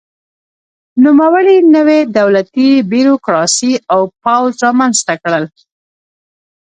نوموړي نوې دولتي بیروکراسي او پوځ رامنځته کړل.